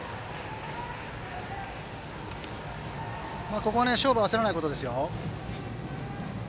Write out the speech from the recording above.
ここ、勝負を焦らないことですよ。